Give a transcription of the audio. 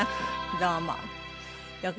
どうも。